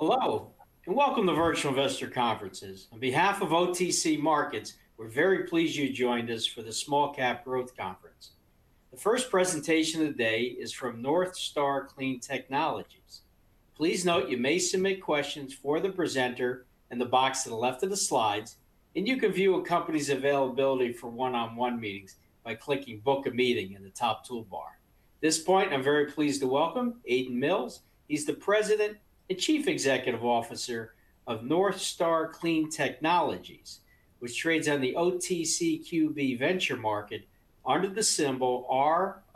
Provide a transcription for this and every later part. Hello, and welcome to Virtual Investor Conferences. On behalf of OTC Markets, we're very pleased you joined us for the Small Cap Growth Conference. The first presentation today is from Northstar Clean Technologies. Please note you may submit questions for the presenter in the box to the left of the slides, and you can view a company's availability for one-on-one meetings by clicking "Book a Meeting" in the top toolbar. At this point, I'm very pleased to welcome Aidan Mills. He's the President and Chief Executive Officer of Northstar Clean Technologies, which trades on the OTCQB venture market under the symbol ROOOF,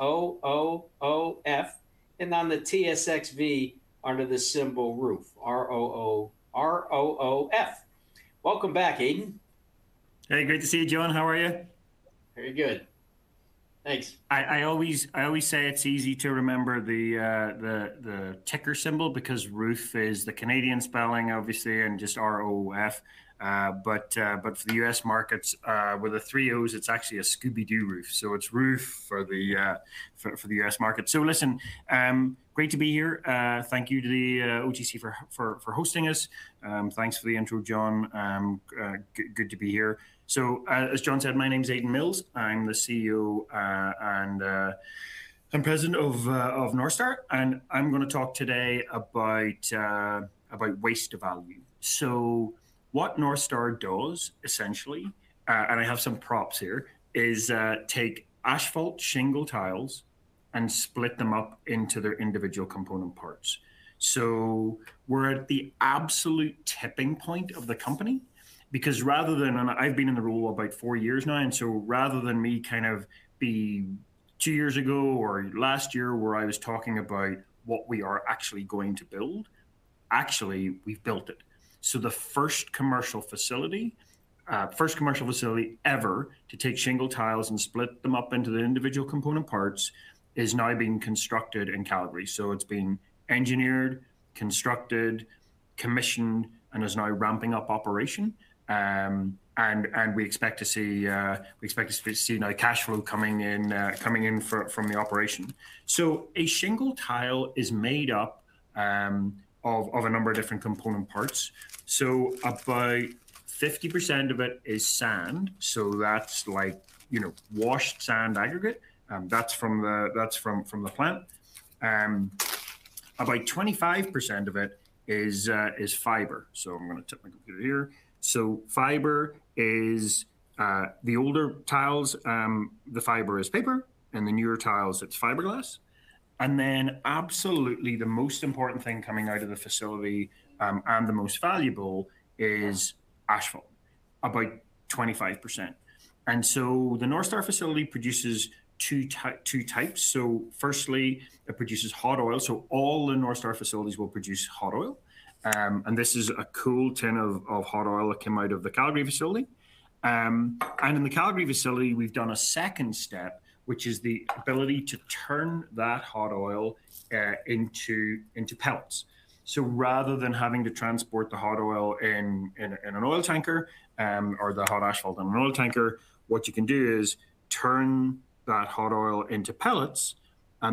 and on the TSXV under the symbol ROOOF. Welcome back, Aidan. Hey, great to see you, John. How are you? Very good. Thanks. I always say it's easy to remember the ticker symbol because ROOOF is the Canadian spelling, obviously, and just ROOOF. But for the US markets, with the three O's, it's actually a Scooby-Doo roof. So it's ROOOF for the US markets. So listen, great to be here. Thank you to the OTC for hosting us. Thanks for the intro, John. Good to be here. So as John said, my name is Aidan Mills. I'm the CEO and President of Northstar. And I'm going to talk today about waste value. So what Northstar does, essentially, and I have some props here, is take asphalt shingle tiles and split them up into their individual component parts. So we're at the absolute tipping point of the company because rather than, and I've been in the role about four years now, and so rather than me kind of be two years ago or last year where I was talking about what we are actually going to build, actually, we've built it. So the first commercial facility, first commercial facility ever to take shingle tiles and split them up into the individual component parts is now being constructed in Calgary. So it's been engineered, constructed, commissioned, and is now ramping up operation. And we expect to see, we expect to see now cash flow coming in from the operation. So a shingle tile is made up of a number of different component parts. So about 50% of it is sand. So that's like washed sand aggregate. That's from the plant. About 25% of it is fiber. So I'm going to tilt my computer here. So fiber is the older tiles, the fiber is paper. And the newer tiles, it's fiberglass. And then absolutely the most important thing coming out of the facility and the most valuable is asphalt, about 25%. And so the Northstar facility produces two types. So firstly, it produces hot oil. So all the Northstar facilities will produce hot oil. And this is a cool tin of hot oil that came out of the Calgary facility. And in the Calgary facility, we've done a second step, which is the ability to turn that hot oil into pellets. So rather than having to transport the hot oil in an oil tanker or the hot asphalt in an oil tanker, what you can do is turn that hot oil into pellets.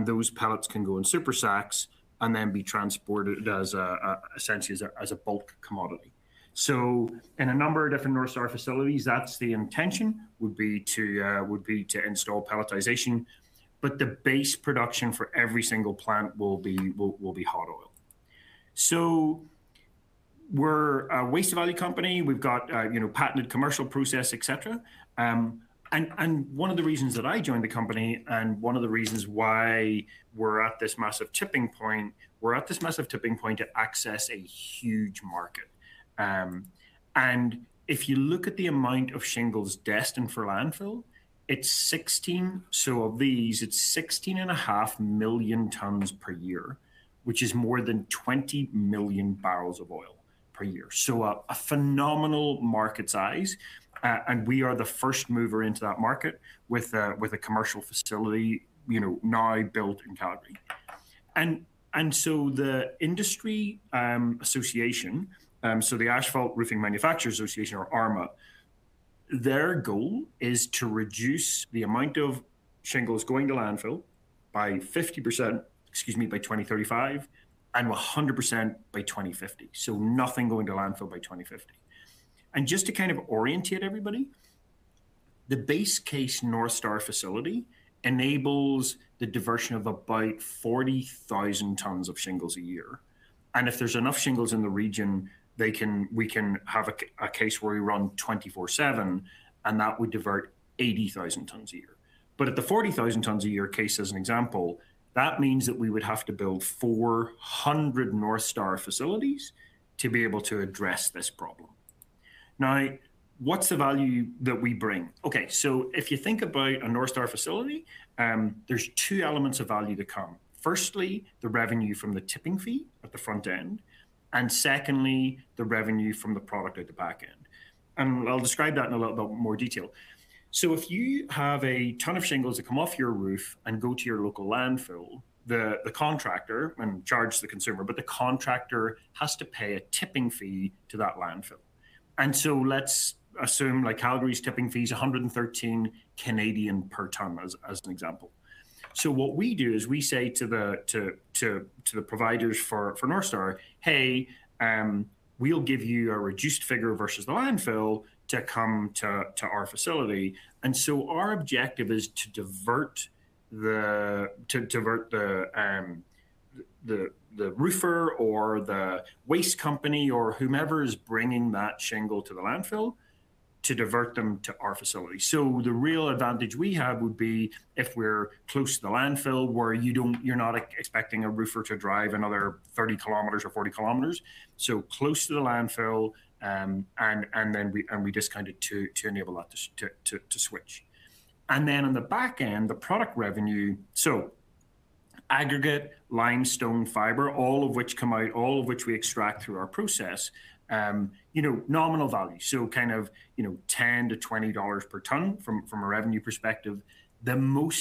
Those pellets can go in Super Sacks and then be transported essentially as a bulk commodity. So in a number of different Northstar facilities, that's the intention would be to install pelletization. But the base production for every single plant will be hot oil. So we're a waste value company. We've got patented commercial process, et cetera. One of the reasons that I joined the company and one of the reasons why we're at this massive tipping point to access a huge market. If you look at the amount of shingles destined for landfill, it's 16 and a half million tons per year, which is more than 20 million barrels of oil per year. So a phenomenal market size. We are the first mover into that market with a commercial facility now built in Calgary. The industry association, the Asphalt Roofing Manufacturers Association, or ARMA, has a goal to reduce the amount of shingles going to landfill by 50%, excuse me, by 2035, and 100% by 2050. Nothing going to landfill by 2050. Just to kind of orientate everybody, the base case Northstar facility enables the diversion of about 40,000 tons of shingles a year. If there's enough shingles in the region, we can have a case where we run 24/7, and that would divert 80,000 tons a year. At the 40,000 tons a year case, as an example, that means that we would have to build 400 Northstar facilities to be able to address this problem. Now, what's the value that we bring? OK, so if you think about a Northstar facility, there's two elements of value to come: firstly, the revenue from the tipping fee at the front end, and secondly, the revenue from the product at the back end, and I'll describe that in a little bit more detail, so if you have a ton of shingles that come off your roof and go to your local landfill, the contractor, and charge the consumer, but the contractor has to pay a tipping fee to that landfill, and so let's assume Calgary's tipping fee is 113 per ton, as an example. So what we do is we say to the providers for Northstar, "Hey, we'll give you a reduced figure versus the landfill to come to our facility." And so our objective is to divert the roofer or the waste company or whomever is bringing that shingle to the landfill to divert them to our facility. So the real advantage we have would be if we're close to the landfill where you're not expecting a roofer to drive another 30 km or 40 km. So close to the landfill, and then we discount it to enable that to switch. And then on the back end, the product revenue, so aggregate, limestone, fiber, all of which come out, all of which we extract through our process, nominal value, so kind of $10-$20 per ton from a revenue perspective. The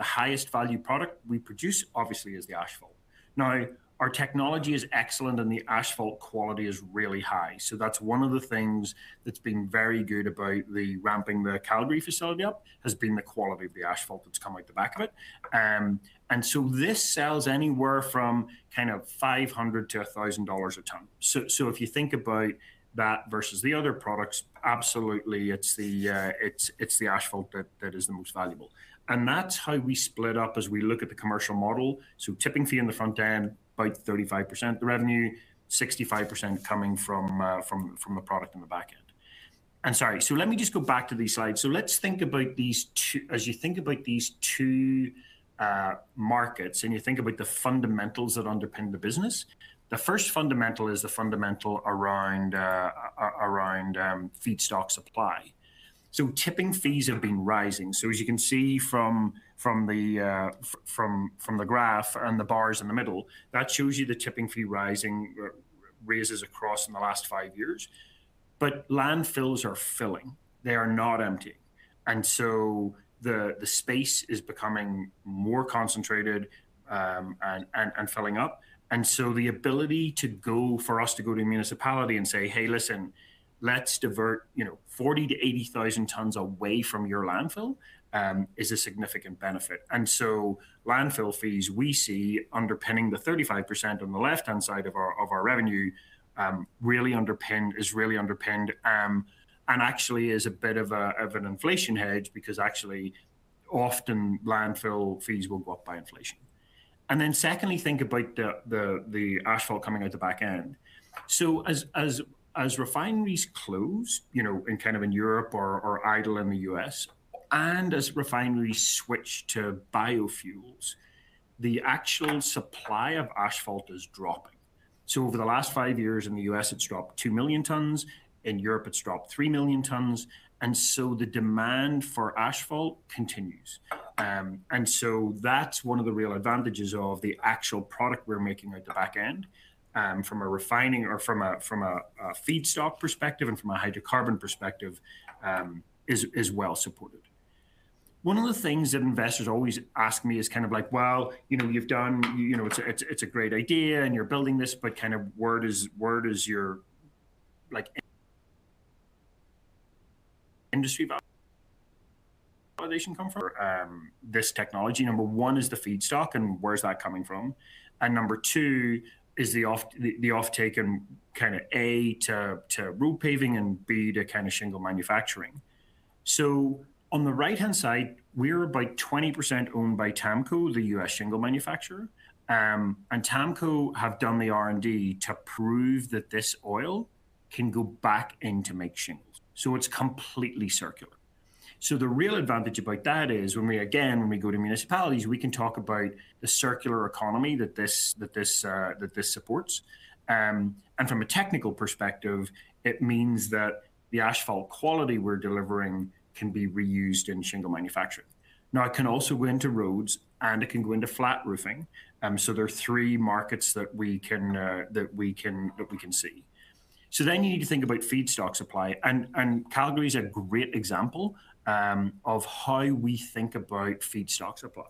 highest value product we produce, obviously, is the asphalt. Now, our technology is excellent, and the asphalt quality is really high. So that's one of the things that's been very good about ramping the Calgary facility up has been the quality of the asphalt that's come out the back of it. And so this sells anywhere from kind of 500-1,000 dollars a ton. So if you think about that versus the other products, absolutely, it's the asphalt that is the most valuable. And that's how we split up as we look at the commercial model. So tipping fee in the front end, about 35% of the revenue, 65% coming from the product in the back end. And sorry, so let me just go back to these slides. So let's think about these two, as you think about these two markets and you think about the fundamentals that underpin the business. The first fundamental is the fundamental around feedstock supply. So tipping fees have been rising. So as you can see from the graph and the bars in the middle, that shows you the tipping fee rising rates across in the last five years. But landfills are filling. They are not emptying. And so the space is becoming more concentrated and filling up. And so the ability for us to go to a municipality and say, "Hey, listen, let's divert 40,000-80,000 tons away from your landfill," is a significant benefit. And so landfill fees we see underpinning the 35% on the left-hand side of our revenue really is underpinned and actually is a bit of an inflation hedge because actually, often landfill fees will go up by inflation. And then secondly, think about the asphalt coming out the back end. So as refineries close in kind of in Europe or idle in the U.S., and as refineries switch to biofuels, the actual supply of asphalt is dropping. So over the last five years in the U.S., it's dropped two million tons. In Europe, it's dropped three million tons. And so the demand for asphalt continues. And so that's one of the real advantages of the actual product we're making at the back end from a refining or from a feedstock perspective and from a hydrocarbon perspective is well supported. One of the things that investors always ask me is kind of like, "Well, you've done it, it's a great idea, and you're building this, but kind of where does your industry valuation come from?" This technology. Number one is the feedstock, and where's that coming from? Number two is the offtake in kind of A, to roof paving, and B, to kind of shingle manufacturing. On the right-hand side, we're about 20% owned by TAMKO, the U.S. shingle manufacturer. TAMKO have done the R&D to prove that this oil can go back in to make shingles. It's completely circular. The real advantage about that is, again, when we go to municipalities, we can talk about the circular economy that this supports. From a technical perspective, it means that the asphalt quality we're delivering can be reused in shingle manufacturing. Now, it can also go into roads, and it can go into flat roofing. There are three markets that we can see. You need to think about feedstock supply. Calgary is a great example of how we think about feedstock supply.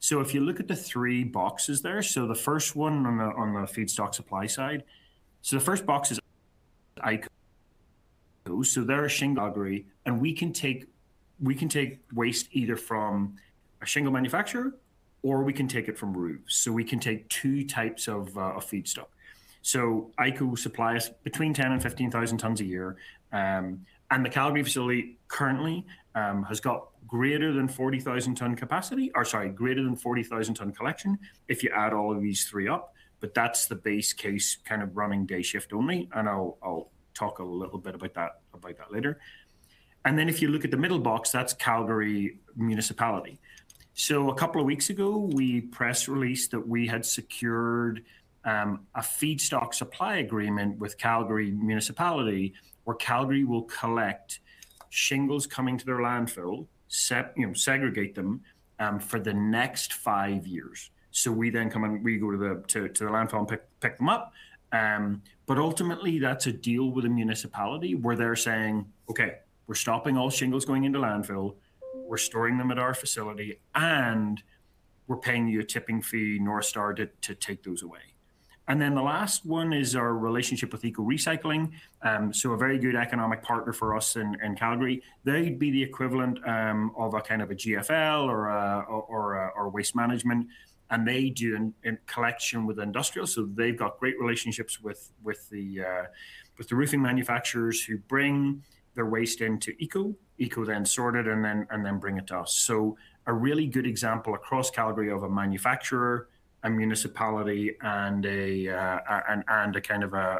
So if you look at the three boxes there, so the first one on the feedstock supply side, so the first box is I. There are shingles in Calgary. And we can take waste either from a shingle manufacturer, or we can take it from roofs. So we can take two types of feedstock. So ECCO Recycling supplies between 10,000 and 15,000 tons a year. And the Calgary facility currently has got greater than 40,000-ton capacity or sorry, greater than 40,000-ton collection if you add all of these three up. But that's the base case kind of running day shift only. And I'll talk a little bit about that later. And then if you look at the middle box, that's Calgary municipality. A couple of weeks ago, we press released that we had secured a feedstock supply agreement with Calgary municipality where Calgary will collect shingles coming to their landfill, segregate them for the next five years. We then come and we go to the landfill and pick them up. But ultimately, that's a deal with the municipality where they're saying, "OK, we're stopping all shingles going into landfill. We're storing them at our facility. And we're paying you a tipping fee, Northstar, to take those away." The last one is our relationship with ECCO Recycling. It is a very good economic partner for us in Calgary. They'd be the equivalent of a kind of a GFL or a Waste Management. They do collection with industrial. They've got great relationships with the roofing manufacturers who bring their waste into ECCO Recycling. Eco then sorts it and then brings it to us, so a really good example across Calgary of a manufacturer, a municipality, and a kind of a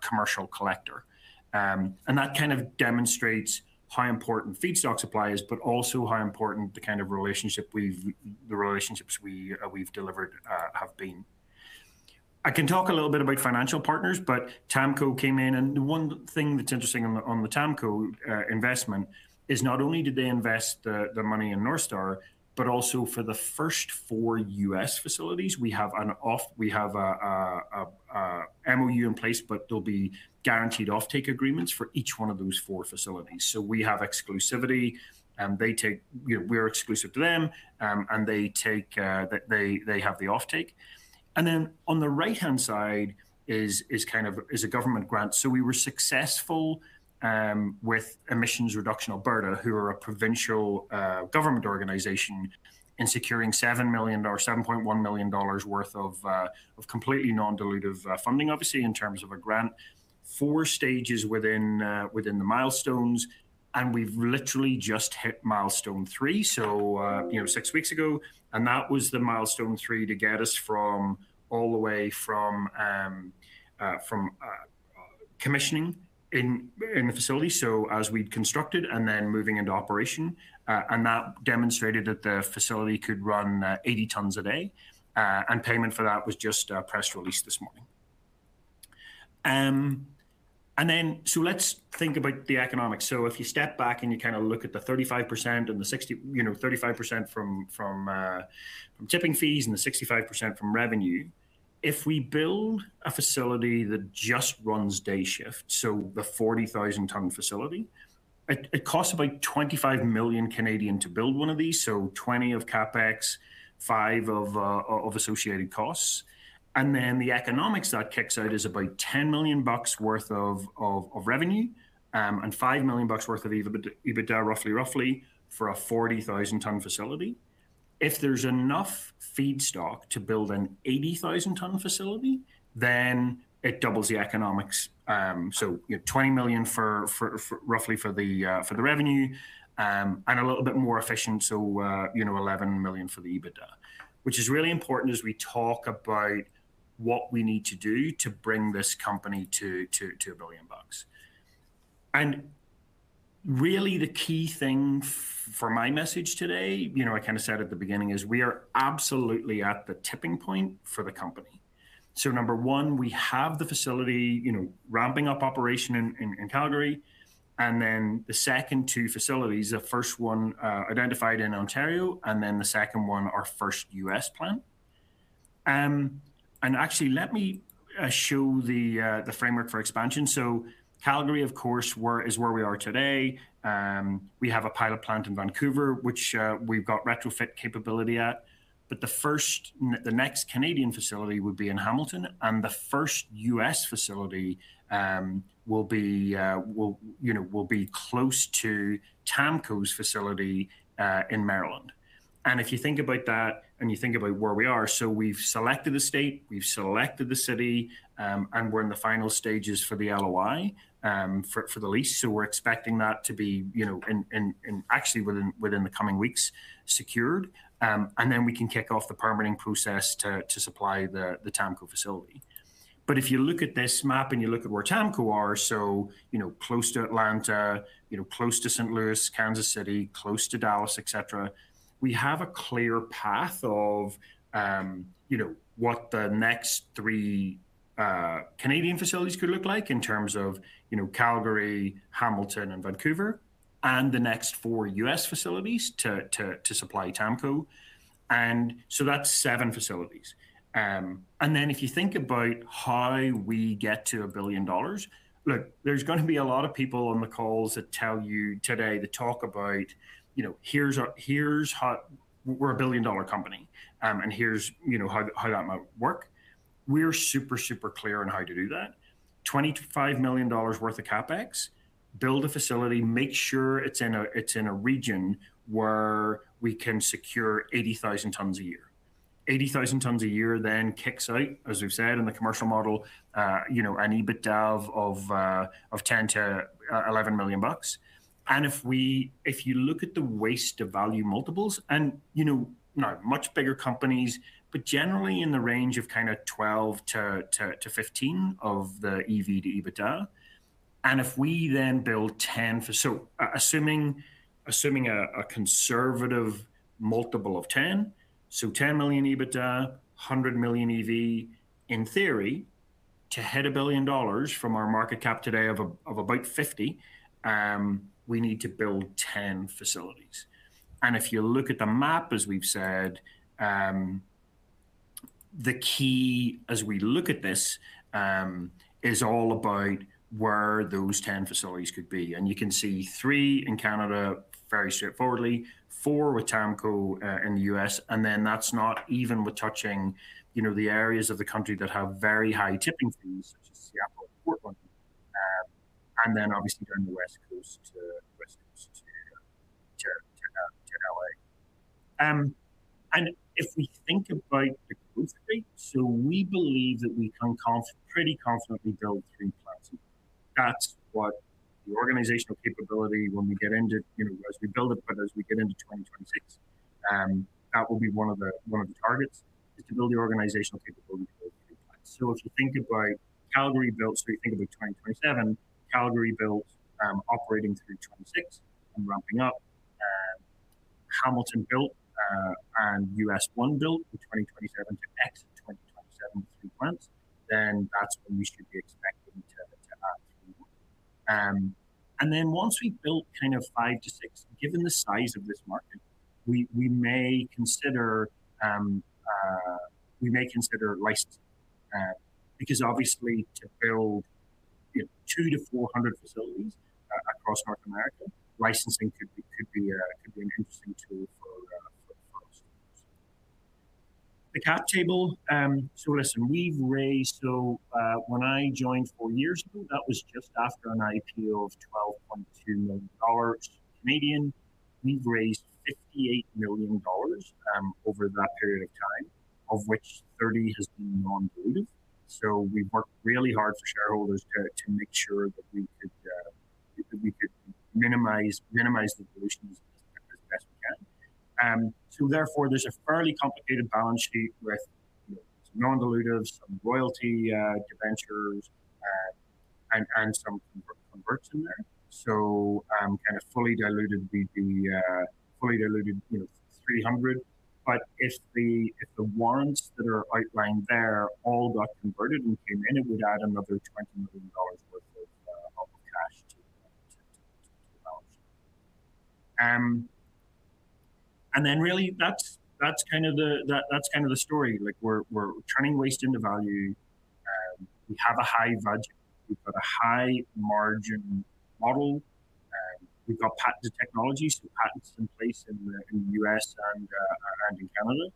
commercial collector. That kind of demonstrates how important feedstock supply is, but also how important the kind of relationships we've delivered have been. I can talk a little bit about financial partners, but TAMKO came in. One thing that's interesting on the TAMKO investment is not only did they invest the money in Northstar, but also for the first four U.S. facilities, we have an MOU in place, but there'll be guaranteed offtake agreements for each one of those four facilities. We have exclusivity. We're exclusive to them. They have the offtake. Then on the right-hand side is kind of a government grant. So we were successful with Emissions Reduction Alberta, who are a provincial government organization, in securing 7.1 million dollars worth of completely non-dilutive funding, obviously, in terms of a grant. Four stages within the milestones. And we've literally just hit milestone three, so six weeks ago. And that was the milestone three to get us all the way from commissioning in the facility as we'd constructed and then moving into operation. And that demonstrated that the facility could run 80 tons a day. And payment for that was just press release this morning. And then so let's think about the economics. So if you step back and you kind of look at the 35% and the 35% from tipping fees and the 65% from revenue, if we build a facility that just runs day shift, so the 40,000-ton facility, it costs about 25 million to build one of these, so 20 of CapEx, 5 of associated costs. And then the economics that kicks out is about CAD $10 million bucks worth of revenue and CAD $5 million bucks worth of EBITDA, roughly, roughly, for a 40,000-ton facility. If there's enough feedstock to build an 80,000-ton facility, then it doubles the economics. So CAD $20 million roughly for the revenue and a little bit more efficient, so CAD $11 million for the EBITDA, which is really important as we talk about what we need to do to bring this company to a CAD $1 billion bucks. And really, the key thing for my message today, I kind of said at the beginning, is we are absolutely at the tipping point for the company. So number one, we have the facility ramping up operation in Calgary. And then the second two facilities, the first one identified in Ontario and then the second one, our first U.S. plant. And actually, let me show the framework for expansion. So Calgary, of course, is where we are today. We have a pilot plant in Vancouver, which we've got retrofit capability at. But the next Canadian facility would be in Hamilton. And the first U.S. facility will be close to TAMKO's facility in Maryland. And if you think about that and you think about where we are, so we've selected the state. We've selected the city. And we're in the final stages for the LOI for the lease. So we're expecting that to be, actually, within the coming weeks, secured. And then we can kick off the permitting process to supply the TAMKO facility. But if you look at this map and you look at where TAMKO are, so close to Atlanta, close to St. Louis, Kansas City, close to Dallas, et cetera, we have a clear path of what the next three Canadian facilities could look like in terms of Calgary, Hamilton, and Vancouver, and the next four US facilities to supply TAMKO. And so that's seven facilities. And then if you think about how we get to a billion dollars, look, there's going to be a lot of people on the calls that tell you today the talk about, "Here's how we're a billion-dollar company. And here's how that might work." We're super, super clear on how to do that. 25 million worth of CapEx, build a facility, make sure it's in a region where we can secure 80,000 tons a year. 80,000 tons a year then kicks out, as we've said in the commercial model, an EBITDA of 10 million-11 million bucks. And if you look at the waste-to-value multiples, and now, much bigger companies, but generally in the range of kind of 12-15 of the EV to EBITDA. And if we then build 10, so assuming a conservative multiple of 10, so 10 million EBITDA, 100 million EV, in theory, to hit 1 billion dollars from our market cap today of about 50 million, we need to build 10 facilities. And if you look at the map, as we've said, the key as we look at this is all about where those 10 facilities could be. You can see three in Canada, very straightforwardly, four with TAMKO in the U.S. Then that's not even we're touching the areas of the country that have very high tipping fees, such as Seattle and Portland. Then, obviously, on the West Coast to LA. If we think about the growth rate, we believe that we can pretty confidently build three plants. That's what the organizational capability, when we get into as we build it, but as we get into 2026, that will be one of the targets, is to build the organizational capability to build three plants. If you think about Calgary built, you think about 2027, Calgary built operating through 2026 and ramping up, Hamilton built and US1 built in 2027 to exit 2027 with three plants, then that's when we should be expecting to add three more. And then once we've built kind of five to six, given the size of this market, we may consider licensing. Because obviously, to build two to four hundred facilities across North America, licensing could be an interesting tool for us. The cap table, so listen, we've raised so when I joined four years ago, that was just after an IPO of 12.2 million Canadian dollars. We've raised 58 million dollars over that period of time, of which 30 million has been non-dilutive. So we've worked really hard for shareholders to make sure that we could minimize the dilutions as best we can. So therefore, there's a fairly complicated balance sheet with some non-dilutives, some royalty to ventures, and some converts in there. So kind of fully diluted would be fully diluted 300. But if the warrants that are outlined there all got converted and came in, it would add another 20 million dollars worth of cash to the balance sheet. And then really, that's kind of the story. We're turning waste into value. We have a high budget. We've got a high-margin model. We've got patented technology, so patents in place in the U.S. and in Canada.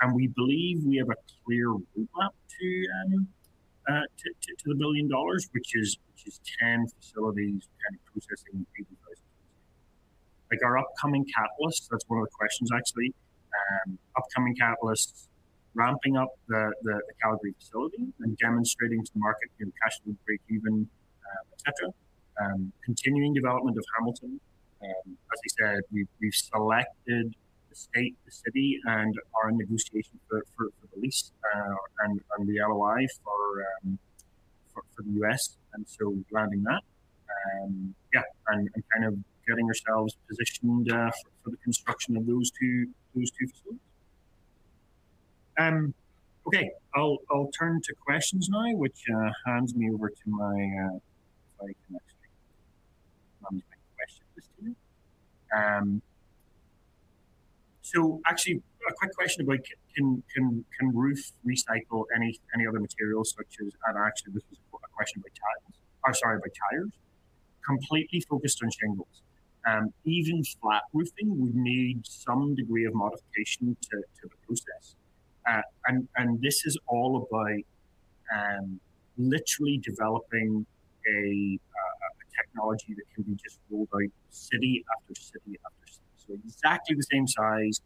And we believe we have a clear roadmap to 1 billion dollars, which is 10 facilities kind of processing 80,000 tons. Our upcoming catalyst, that's one of the questions, actually. Upcoming catalysts, ramping up the Calgary facility and demonstrating to market, cash flow break even, et cetera. Continuing development of Hamilton. As I said, we've selected the state and the city and our negotiation for the lease and the LOI for the U.S. And so we're landing that. Yeah. And kind of getting ourselves positioned for the construction of those two facilities. Okay. I'll turn to questions now, which hands me over to my next question listener. So actually, a quick question about can ROOOF recycle any other materials, such as, and actually, this was a question about tires or sorry, about tires. Completely focused on shingles. Even flat roofing would need some degree of modification to the process. And this is all about literally developing a technology that can be just rolled out city after city after city. So exactly the same size,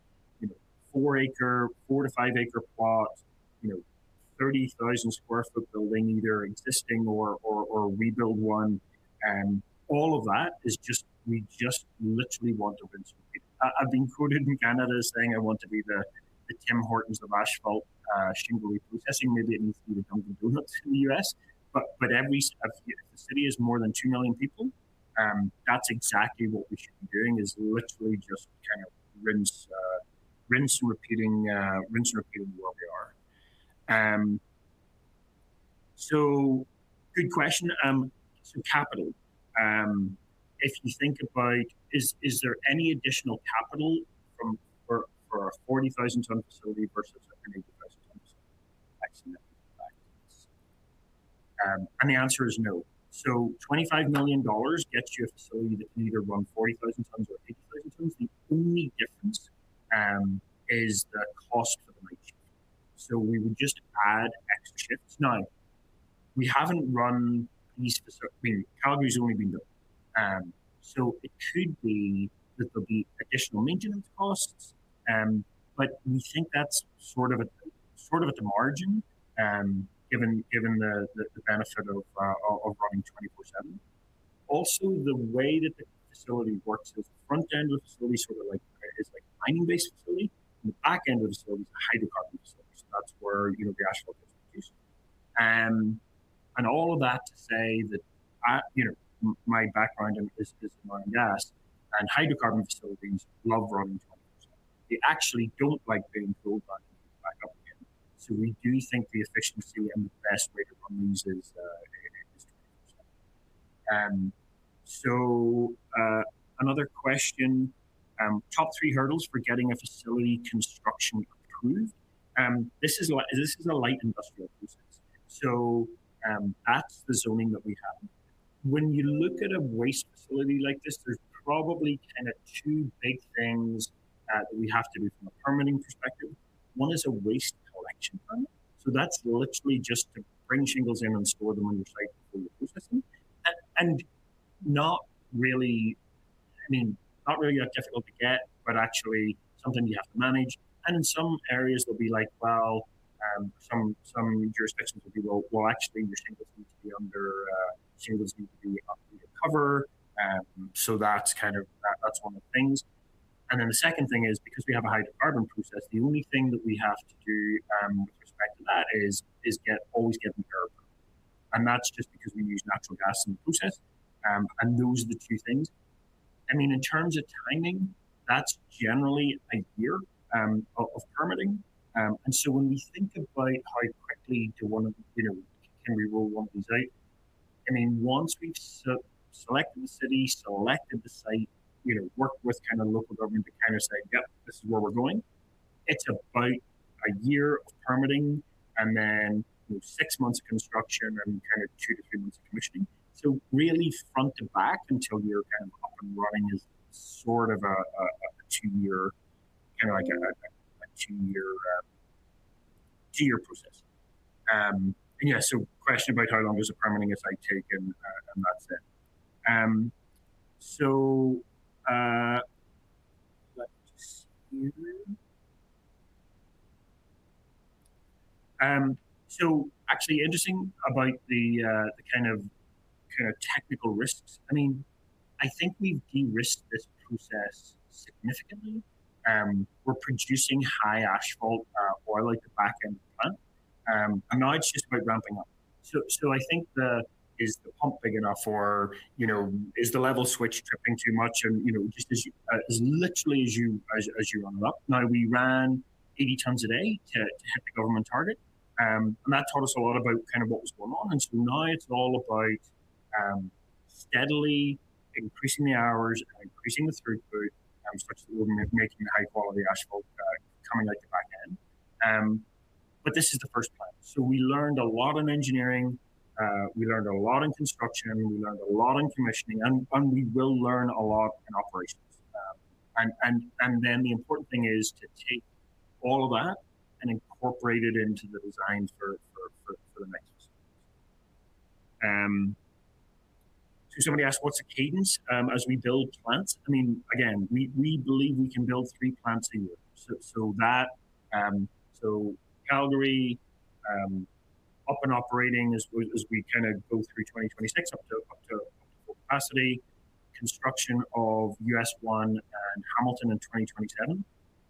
four- to five-acre plot, 30,000 sq ft building, either existing or rebuild one. And all of that is just we just literally want to win some people. I've been quoted in Canada saying I want to be the Tim Hortons of asphalt shingle reprocessing. Maybe it needs to be the Dunkin' Donuts in the US. But if the city is more than two million people, that's exactly what we should be doing, is literally just kind of rinse and repeating where we are. So good question. So, capital. If you think about, is there any additional capital for a 40,000-ton facility versus an 80,000-ton facility? And the answer is no. So 25 million dollars gets you a facility that can either run 40,000 tons or 80,000 tons. The only difference is the cost for the night shift. So we would just add extra shifts. Now, we haven't run these. Calgary has only been built. So it could be that there'll be additional maintenance costs. But we think that's sort of at the margin given the benefit of running 24/7. Also, the way that the facility works is the front end of the facility sort of is a mining-based facility. The back end of the facility is a hydrocarbon facility. So that's where the asphalt is produced. All of that to say that my background is in mining gas. Hydrocarbon facilities love running 24/7. They actually don't like being drilled back up again. So we do think the efficiency and the best way to run these is 24/7. So, another question: top three hurdles for getting a facility construction approved. This is a light industrial process. So that's the zoning that we have. When you look at a waste facility like this, there's probably kind of two big things that we have to do from a permitting perspective. One is a waste collection permit. So that's literally just to bring shingles in and store them on your site for your processing. Not really, I mean, not really that difficult to get, but actually something you have to manage. In some areas, there'll be like, well, some jurisdictions will be, "Well, actually, your shingles need to be under cover." So that's kind of one of the things. Then the second thing is, because we have a hydrocarbon process, the only thing that we have to do with respect to that is always get an air permit. That's just because we use natural gas in the process. Those are the two things. I mean, in terms of timing, that's generally a year of permitting. And so when we think about how quickly can we roll one of these out, I mean, once we've selected the city, selected the site, worked with kind of local government to kind of say, "Yep, this is where we're going," it's about a year of permitting and then six months of construction and kind of two to three months of commissioning. So really, front to back until you're kind of up and running is sort of a two-year kind of like a two-year process. And yeah, so question about how long does a permitting site take and that's it. So let's see. So actually, interesting about the kind of technical risks. I mean, I think we've de-risked this process significantly. We're producing high asphalt oil at the back end of the plant. And now it's just about ramping up. So I think the. Is the pump big enough or is the level switch tripping too much? And just as literally as you run it up. Now, we ran 80 tons a day to hit the government target, and that taught us a lot about kind of what was going on. And so now it's all about steadily increasing the hours and increasing the throughput, such as making the high-quality asphalt coming out the back end, but this is the first plant. So we learned a lot in engineering. We learned a lot in construction. We learned a lot in commissioning, and we will learn a lot in operations. And then the important thing is to take all of that and incorporate it into the design for the next few years. So somebody asked, "What's the cadence as we build plants?" I mean, again, we believe we can build three plants a year. Calgary up and operating as we kind of go through 2026 up to full capacity, construction of US1 and Hamilton in 2027.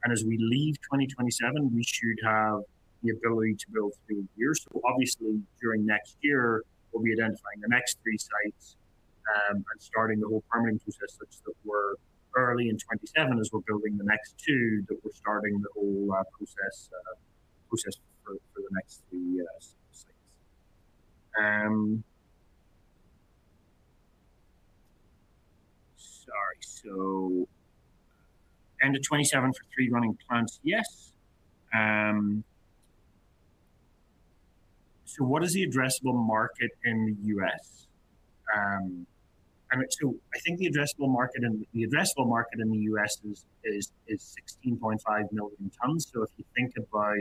And as we leave 2027, we should have the ability to build three years. So obviously, during next year, we'll be identifying the next three sites and starting the whole permitting process such that we're early in 2027 as we're building the next two that we're starting the whole process for the next three sites. Sorry. So end of 2027 for three running plants, yes. So what is the addressable market in the US? So I think the addressable market in the US is 16.5 million tons. So if you think about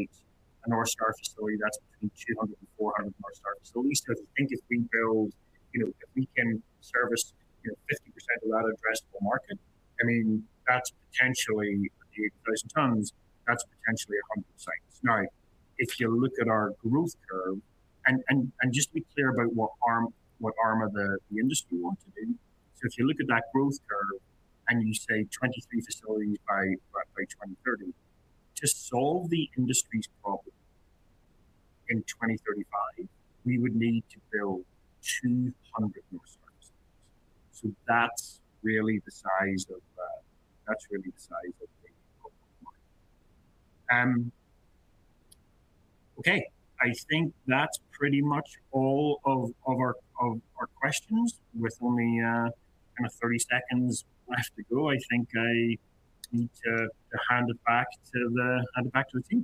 a Northstar facility, that's between 200 and 400 Northstar facilities. So if you think we build, if we can service 50% of that addressable market, I mean, that's potentially 80,000 tons, that's potentially 100 sites. Now, if you look at our growth curve, and just be clear about what arm of the industry you want to do. If you look at that growth curve and you say 23 facilities by 2030, to solve the industry's problem in 2035, we would need to build 200 Northstar facilities. So that's really the size of the market. Okay. I think that's pretty much all of our questions. With only kind of 30 seconds left to go, I think I need to hand it back to the.